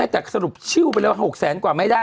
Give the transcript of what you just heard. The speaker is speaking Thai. แต่สรุปชื่อไปแล้ว๖แสนกว่าไม่ได้